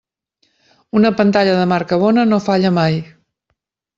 Una pantalla de marca bona no falla mai.